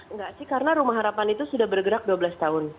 enggak sih karena rumah harapan itu sudah bergerak dua belas tahun